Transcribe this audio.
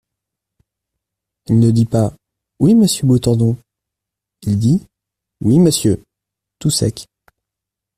Il ne dit pas : "Oui, monsieur Beautendon." Il dit : "Oui, monsieur…" tout sec.